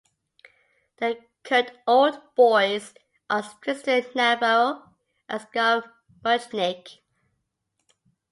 The current Old Boys are Tristan Navarro and Scott Mutchnik.